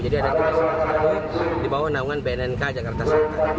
jadi ada tim asesmen terpadu dibawah naungan bnnk jakarta selatan